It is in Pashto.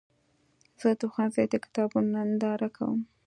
زه د ښوونځي د کتابونو ننداره کوم.